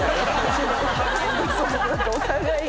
お互いに。